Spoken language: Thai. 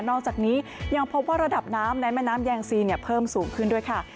อกจากนี้ยังพบว่าระดับน้ำในแม่น้ำแยงซีนเพิ่มสูงขึ้นด้วยค่ะ